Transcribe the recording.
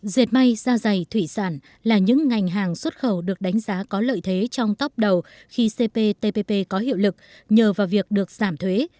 dệt may da dày thủy sản là những ngành hàng xuất khẩu được đánh giá có lợi thế trong tóc đầu khi cptpp có hiệu lực nhờ vào việc được giảm thuế